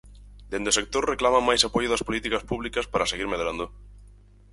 Dende o sector reclaman máis apoio das políticas públicas para seguir medrando.